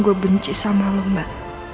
gue benci sama lo mbak